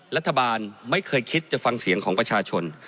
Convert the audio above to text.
รัฐบาลไม่เคยคิดจะฟังเสียงของประชาชน